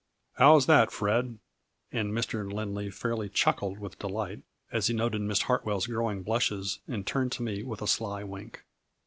How is that, Fred?" and Mr. Lindley fairly chuckled with delight, as he noted Miss Hartwell's growing blushes, and turned to me with a sly wink.